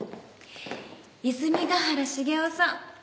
泉ヶ原茂雄さん。